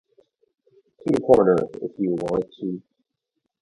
To the corner, if you want to.